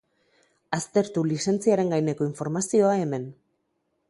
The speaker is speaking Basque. Aztertu lizentziaren gaineko informazioa hemen.